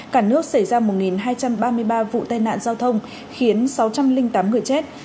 cả nước xảy ra một hai trăm ba mươi ba vụ tai nạn giao thông khiến sáu trăm linh tám người chết